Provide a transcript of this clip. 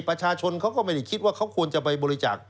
ประชาชนเขาก็ไม่ได้คิดว่าเขาควรจะไปบริจาค